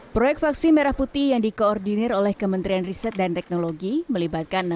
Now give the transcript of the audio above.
proyek vaksin merah putih yang dikoordinir oleh kementerian riset dan teknologi melibatkan